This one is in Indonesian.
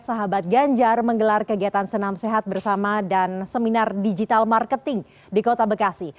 sahabat ganjar menggelar kegiatan senam sehat bersama dan seminar digital marketing di kota bekasi